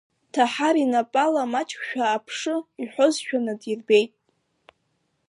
Ҭаҳар инапы ала маҷк шәааԥшы, иҳәозшәа инадирбеит.